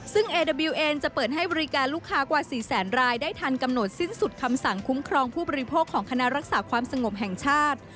ซึ่งเอดาบิลเองจะเปิดให้บริการลูกค้ากว่า๔แสนรายได้ทันกำหนดสิ้นสุดคำสั่งคุ้มครองผู้บริโภคของคณะรักษาความสงบแห่งชาติ